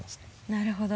なるほど。